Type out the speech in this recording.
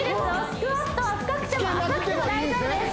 スクワットは深くても浅くても大丈夫です